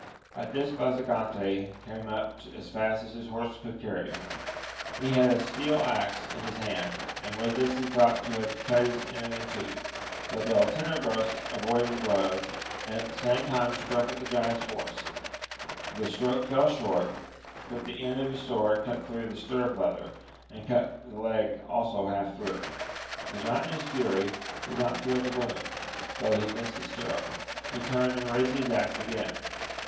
At this Basagante came up as fast as his horse could carry him : he had a steel axe in his hand, and with this he thought to have cut his enemy in two ; but Beltenebros avoided the blow, and at the same time struck at the giant's horse: the stroke fell short, but the end of his sword cut through the stirrup leather, and cut the leg also half through. The giant in his fury did not feel the wound, though AMADIS OF OAUL. 31 he missed t^e stirrup ; he turned and raised his axe again.